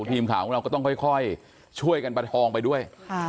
ทีมข่าวของเราก็ต้องค่อยช่วยกันประคองไปด้วย